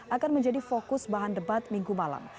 akan menjadi fokus bahan debat minggu malam